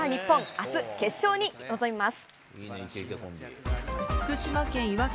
あす、決勝に臨みます。